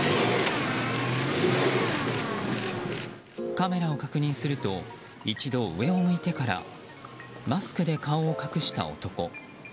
カメラを確認すると一度、上を向いてからマスクで顔を隠した男。